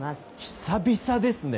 久々ですね。